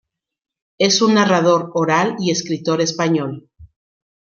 Es un narrador oral y escritor español.